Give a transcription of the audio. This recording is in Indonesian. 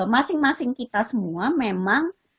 masing masing kita semua memang